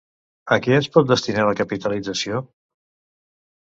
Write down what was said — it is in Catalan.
A què es pot destinar la capitalització?